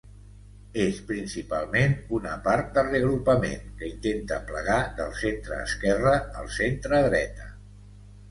És principalment una part de reagrupament, que intenta aplegar del centreesquerra al centredreta.